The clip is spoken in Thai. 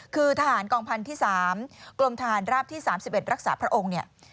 คือทหารกองพันธุ์ที่๓กรมทหารราบที่๓๑รักษาพระองค์เนี่ย